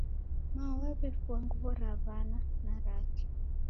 Mao wawefua nguwo Ra Wana na rake.